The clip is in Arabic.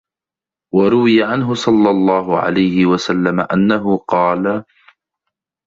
وَرُوِيَ عَنْهُ صَلَّى اللَّهُ عَلَيْهِ وَسَلَّمَ أَنَّهُ قَالَ